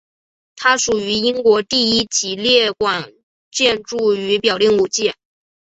它属于英国第一级列管建筑与表定古迹。